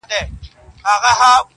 وزيرانو ته پرې ايښى بې دربار وو؛